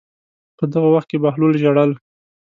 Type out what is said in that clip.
په دغه وخت کې بهلول ژړل.